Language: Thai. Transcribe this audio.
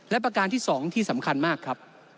และประการที่๒ที่สำคัญมากครับ